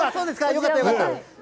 よかったよかった。